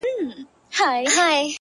په يوه لاره کي پنډت بل کي مُلا وينم-